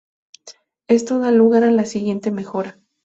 Esto da lugar a la siguiente mejora.